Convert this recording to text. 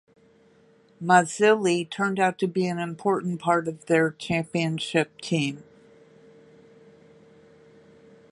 Mazzilli turned out to be an important part of their championship team.